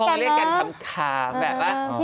ข้อพวกเรียกกันคำคำแบบว่า